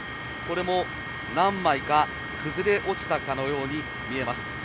これも何枚か崩れ落ちたかのように見えます。